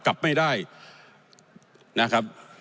กลับไม่ได้นะครับ